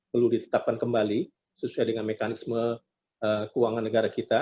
perlu ditetapkan kembali sesuai dengan mekanisme keuangan negara kita